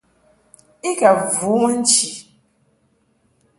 I ka vu ma nchi.